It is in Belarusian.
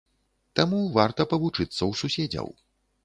Таму варта павучыцца ў суседзяў.